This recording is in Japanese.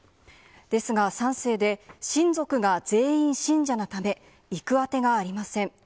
ですが３世で、親族が全員信者なため、行く当てがありません。